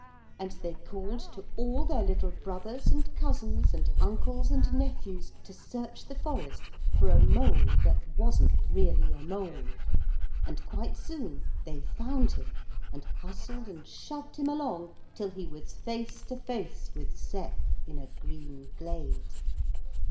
And they called to all their little brothers and cousins, and uncles and nephews to search the forest for a mole that wasn't really a mole, and quite soon they found him, and hustled and shoved him along till he was face to face with Sep, in a green glade.